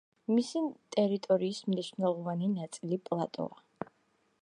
მისი ტერიტორიის მნიშვნელოვანი ნაწილი პლატოა.